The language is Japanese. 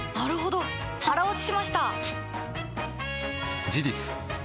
腹落ちしました！